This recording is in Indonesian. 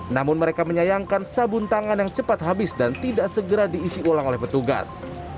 namun mereka menyayangkan sabun tangan yang cepat habis dan tidak segera diisi ulang oleh petugas